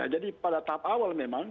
jadi pada tahap awal memang